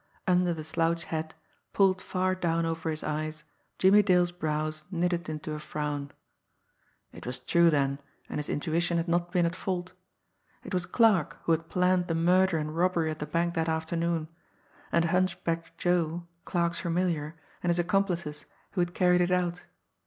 Under the slouch hat, pulled far down over his eyes, Jimmie Dale's brows knitted into a frown. It was true then, and his intuition had not been at fault! It was Clarke who had planned the murder and robbery at the bank that afternoon and Hunchback Joe, Clarke's familiar, and his accomplices who had carried it out.